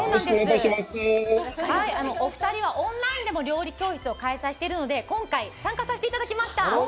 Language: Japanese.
お二人はオンラインでも料理教室を開催してるので今回参加させて頂きました！